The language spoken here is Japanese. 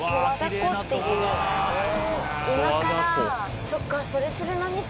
今からそっか。